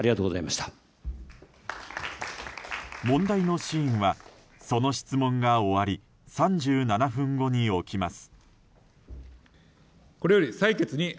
問題のシーンはその質問が終わり３７分後に起きます。